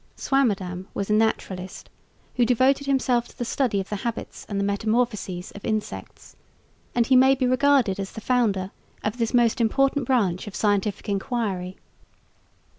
Swammerdam was a naturalist who devoted himself to the study of the habits and the metamorphoses of insects, and he may be regarded as the founder of this most important branch of scientific enquiry.